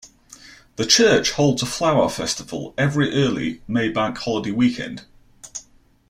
The church holds a flower festival every early May Bank Holiday weekend.